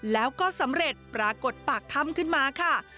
แล้วก็สำเร็จปรากฏปากถ้ำขึ้นมาค่ะ